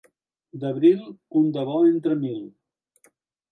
D'abril, un de bo entre mil.